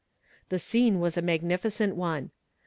The scene was a magnificent one.